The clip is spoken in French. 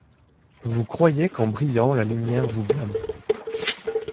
Vous croyez qu’en brillant la lumière vous blâme ;